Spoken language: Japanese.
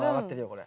これ。